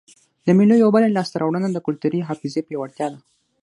د مېلو یوه بله لاسته راوړنه د کلتوري حافظې پیاوړتیا ده.